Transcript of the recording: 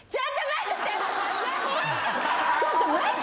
ちょっと待って！